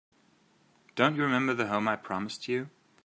Don't you remember the home I promised you?